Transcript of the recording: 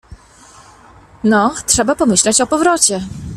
— No, trzeba pomyśleć o powrocie.